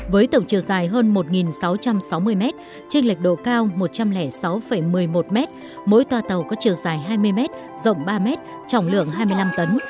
với tổng chiều dài hơn một sáu trăm sáu mươi m trình lệch độ cao một trăm linh sáu một mươi một m mỗi toa tàu có chiều dài hai mươi m rộng ba m trọng lượng hai mươi năm tấn